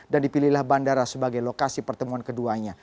dan dipilihlah bandara sebagai lokasi pertemuan keduanya